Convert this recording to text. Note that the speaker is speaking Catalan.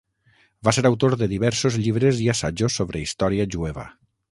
Va ser autor de diversos llibres i assajos sobre història jueva.